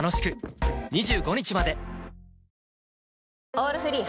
「オールフリー」